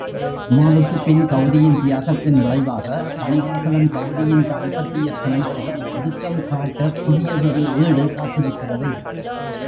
உமாவுக்குப் பின் கெளரியின் தியாகத்தின் விளைவாக, தணிகாசலம் கெளரியின் தாம்பத்தியப் பிணைப்பில் இறுக்கம் காட்ட புதியதொரு ஏடு காத்திருக்கிறதே?